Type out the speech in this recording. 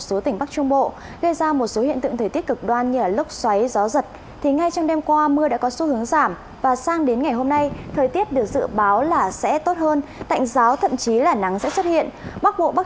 xin kính mời quý vị và các bạn